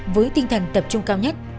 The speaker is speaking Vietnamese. với tinh thần tập trung cao nhất